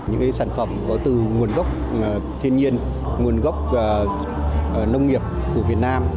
những sản phẩm có từ nguồn gốc thiên nhiên nguồn gốc nông nghiệp của việt nam